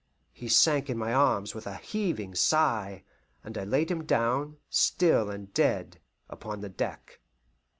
He sank in my arms with a heaving sigh, and I laid him down, still and dead, upon the deck.